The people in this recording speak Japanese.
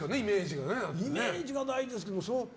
イメージが大事ですから。